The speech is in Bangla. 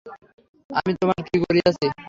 আমি তোমার কী করিয়াছি।